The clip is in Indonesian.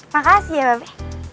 makasih ya babe